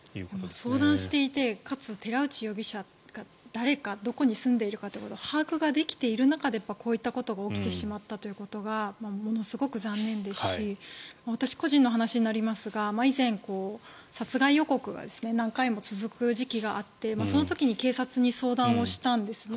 相談していてかつ、寺内容疑者が誰かどこに住んでいるかということを把握ができている中でこういうことが起きてしまったということがものすごく残念ですし私個人の話になりますが以前、殺害予告が何回も続く時期があってその時に警察に相談をしたんですね。